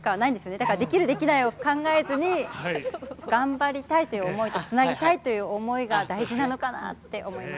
だから、できる、できないを考えずに、頑張りたいという想いと、つなぎたいという想いが大事なのかなって思います。